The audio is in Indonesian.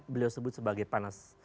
beliau sebut sebagai panas